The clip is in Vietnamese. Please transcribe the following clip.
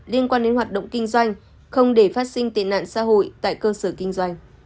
liên quan đến hoạt động kinh doanh không để phát sinh tệ nạn xã hội tại cơ sở kinh doanh